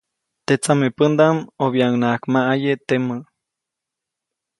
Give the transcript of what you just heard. Teʼ tsamepändaʼm ʼobyaʼuŋnaʼak maʼaye temä.